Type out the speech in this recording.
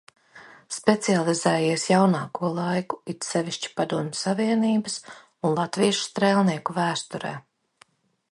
Specializējies jaunāko laiku, it sevišķi Padomju Savienības un latviešu strēlnieku vēsturē.